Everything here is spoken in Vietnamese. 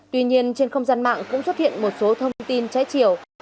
tuy nhiên trên không gian mạng cũng xuất hiện một số thông tin trái chiều